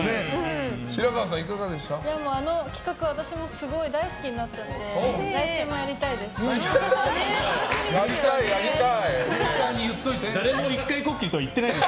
あの企画私もすごい大好きになっちゃって来週もやりたいです。